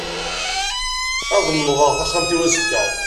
Ad nnḍeɣ taxxamt-iw azekka.